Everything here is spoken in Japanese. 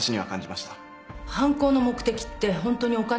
犯行の目的って本当にお金？